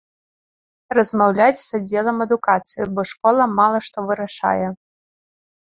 Размаўляць з аддзелам адукацыі, бо школа мала што вырашае.